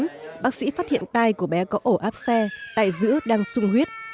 trước đó bác sĩ phát hiện tai của bé có ổ áp xe tại giữa đang sung huyết